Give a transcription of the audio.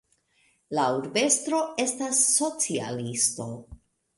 La urbestro estas socialisto.